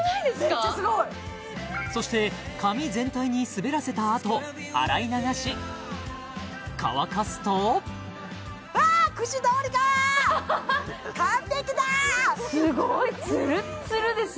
めっちゃすごい！そして髪全体に滑らせたあと洗い流し乾かすとすごいツルッツルです